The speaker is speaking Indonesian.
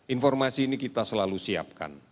informasi ini kita selalu siapkan